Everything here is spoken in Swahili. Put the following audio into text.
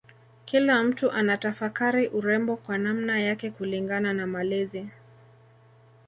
Kila mtu anatafakari urembo kwa namna yake kulingana na malezi